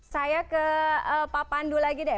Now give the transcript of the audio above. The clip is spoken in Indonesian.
saya ke pak pandu lagi deh